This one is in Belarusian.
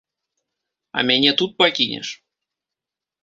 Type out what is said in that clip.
А мяне тут пакінеш?